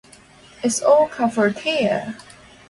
It's all covered here!